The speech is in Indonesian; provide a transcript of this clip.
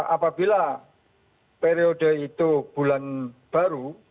apabila periode itu bulan baru